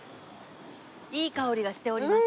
いい香りがしております。